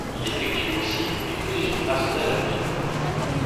Il effectue aussi une exposition personnelle à Moscou.